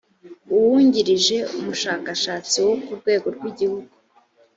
uwungirije umushakashatsi wo ku rwego rw’igihugu